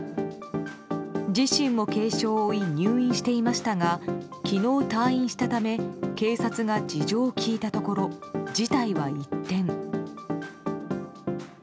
自身も軽傷を負い入院していましたが昨日、退院したため警察が事情を聴いたところ事態は一転。